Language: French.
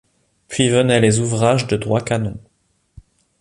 Puis venaient les ouvrages de droit canon.